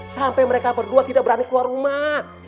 sampai mereka berdua tidak berani keluar rumah